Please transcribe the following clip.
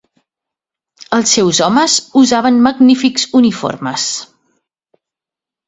Els seus homes usaven magnífics uniformes.